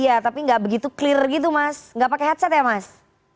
iya tapi gak begitu clear gitu mas gak pake headset ya mas